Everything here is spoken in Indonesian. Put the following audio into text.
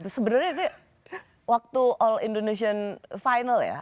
sebenarnya itu waktu all indonesian final ya